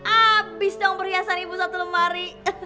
abis dong perhiasan ibu satu lemari